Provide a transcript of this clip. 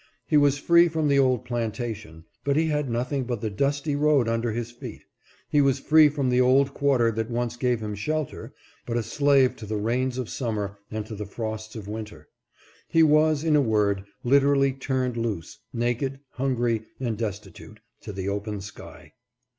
He was free from the old plantation, but he had nothing but the dusty road under his feet. He was free from the old quarter that once gave him shelter, but STILL PLEADING FOR HIS RACE. 4<j9 a slave to the rains of summer and to the frosts of winter. He was, in a word, literally turned loose, naked, hungry, and destitute, to the open sky.